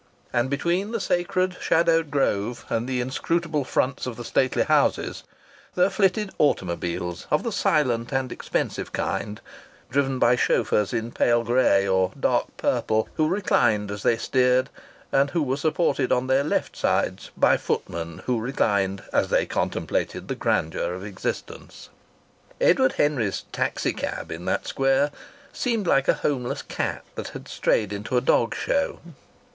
And between the sacred shadowed grove and the inscrutable fronts of the stately houses there flitted automobiles of the silent and expensive kind, driven by chauffeurs in pale grey or dark purple, who reclined as they steered, and who were supported on their left sides by footmen who reclined as they contemplated the grandeur of existence. Edward Henry's taxi cab in that Square seemed like a homeless cat that had strayed into a dog show.